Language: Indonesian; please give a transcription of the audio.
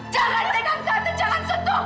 jangan tegang tante jangan sentuh